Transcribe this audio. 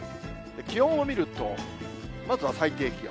気温を見ると、まずは最低気温。